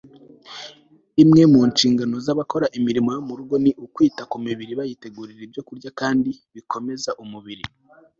imwe mu nshingano z'abakora imirimo yo mu rugo ni ukwita ku mibiri bayitegurira ibyokurya byiza kandi bikomeza umubiri